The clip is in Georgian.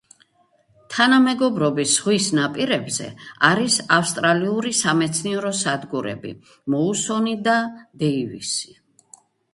თანამეგობრობის ზღვის ნაპირებზე არის ავსტრალიური სამეცნიერო სადგურები: მოუსონი და დეივისი.